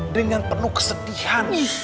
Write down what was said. dengan penuh kesedihan